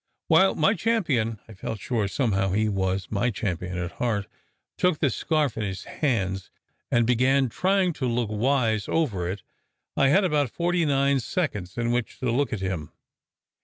While my champion (I felt sure somehow that he was my champion at heart) took the scarf in his hands, and began trying to look wise over it, I had about forty nine seconds in which to look at him.